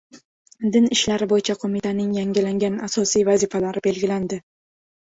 Din ishlari bo‘yicha qo‘mitaning yangilangan asosiy vazifalari belgilandi